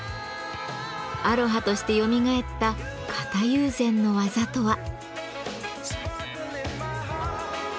アロハとしてよみがえった型友禅の技とは？